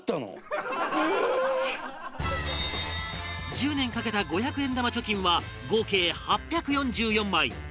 １０年かけた五百円玉貯金は合計８４４枚